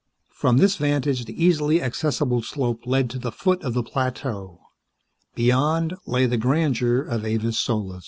From this vantage the easily accessible slope led to the foot of the plateau. Beyond lay the grandeur of Avis Solis.